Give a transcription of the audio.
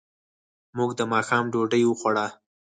موږ د ماښام ډوډۍ وخوړه.